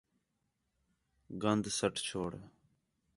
گند سَٹ چھوڑ